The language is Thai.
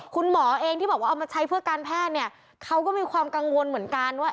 คุณหมอเองที่บอกว่าเอามาใช้เพื่อการแพทย์เนี่ยเขาก็มีความกังวลเหมือนกันว่า